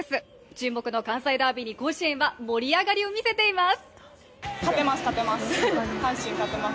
注目の関西ダービーに甲子園は盛り上がりを見せています！